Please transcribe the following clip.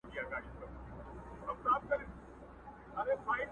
ساړه بادونه له بهاره سره لوبي کوي؛